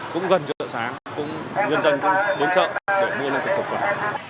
cũng gần chợ sáng cũng dân dân cũng đến chợ để mua lương thực thực phẩm